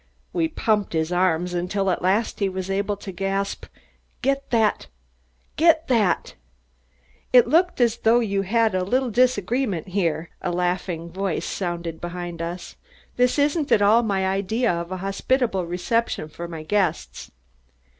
We pumped his arms until at last he was able to gasp: "Get that ! Get that !" "It looks as though you had a little disagreement here," a laughing voice sounded behind us. "This isn't at all my idea of a hospitable reception for my guests."